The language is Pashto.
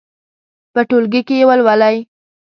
په ټولګي کې یې ولولئ.